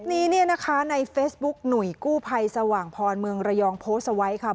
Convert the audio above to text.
คลิปนี้นะคะในเฟสบุ๊คหนุ่ยกู้ภัยสว่างพรเมืองระยองโพสไว้ค่ะ